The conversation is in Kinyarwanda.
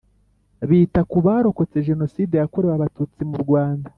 Bita kubarokotse Jenoside yakorewe Abatutsi mu Rwanda